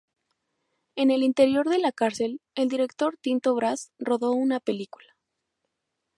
En el interior de la cárcel, el director Tinto Brass rodó una película.